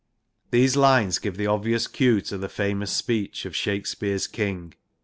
' These lines give the obvious cue to the famous speech of Shakespeare's King (II.